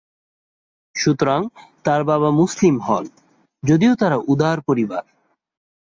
সুতরাং তাঁর বাবা মুসলিম হন, যদিও তারা উদার পরিবার।